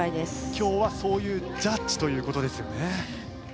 今日はそういうジャッジということですよね。